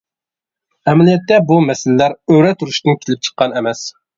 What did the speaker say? ئەمەلىيەتتە بۇ مەسىلىلەر ئۆرە تۇرۇشتىن كېلىپ چىققان ئەمەس.